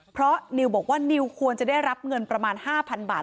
เพราะนิวบอกว่านิวควรจะได้รับเงินประมาณ๕๐๐บาท